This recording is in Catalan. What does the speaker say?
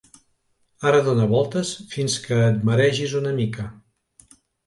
Ara dóna voltes fins que et maregis una mica.